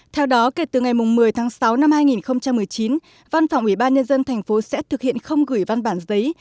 theo đó kể từ ngày một mươi tháng sáu năm hai nghìn một mươi chín văn phòng ubnd tp sẽ thực hiện không gửi văn bản giấy